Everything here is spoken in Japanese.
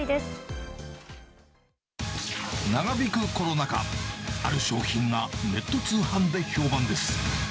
長引くコロナ禍、ある商品がネット通販で評判です。